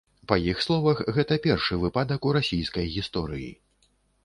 Па іх словах, гэта першы выпадак у расійскай гісторыі.